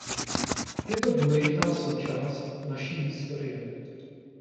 Je to důležitá součást naší historie.